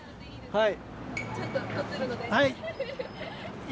はい。